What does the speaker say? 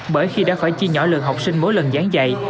bởi khi đã phải chi nhỏ lượng học sinh mỗi lần giảng dạy